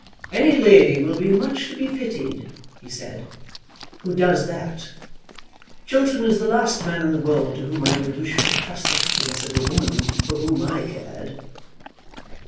"Any lady will be much to be pitied," he said, "who does that. Chiltern is the last man in the world to whom I would wish to trust the happiness of a woman for whom I cared."